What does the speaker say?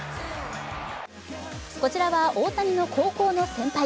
こちらは大谷の高校の先輩